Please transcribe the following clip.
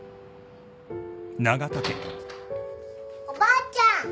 おばあちゃん。